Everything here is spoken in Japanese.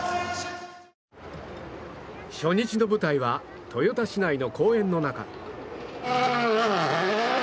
初日の舞台は豊田市内の公園の中。